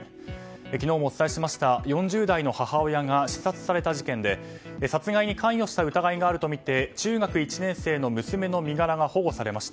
昨日もお伝えしました４０代の母親が刺殺された事件で殺害に関与した疑いがあるとみて中学１年生の娘の身柄が保護されました。